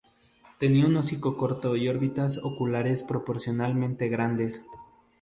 Tenía un hocico corto y órbitas oculares proporcionalmente grandes.